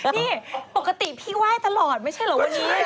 นี่ปกติพี่ไหว้ตลอดไม่ใช่เหรอวันนี้